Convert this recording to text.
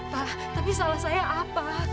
wah tapi salah saya apa